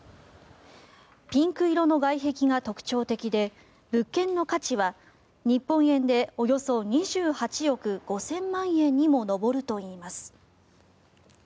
ピンク色の外壁が特徴的で物件の価値は日本円でおよそ２８億５０００万円にも上るといいます。